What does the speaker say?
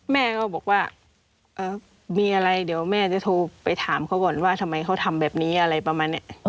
แม่ก็บอกว่ามีอะไรเดี๋ยวแม่จะโทรไปถามเขาก่อนว่าทำไมเขาทำแบบนี้อะไรประมาณนี้